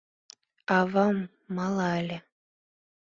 Авам мала ыле.